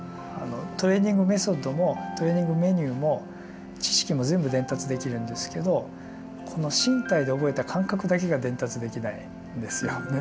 トレーニングメソッドもトレーニングメニューも知識も全部伝達できるんですけどこの身体で覚えた感覚だけが伝達できないんですよね。